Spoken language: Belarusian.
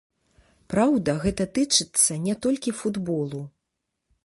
Праўда, гэта тычыцца не толькі футболу.